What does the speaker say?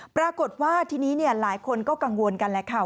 ปรากฏว่าทีนี้หลายคนก็กังวลกันแหละค่ะ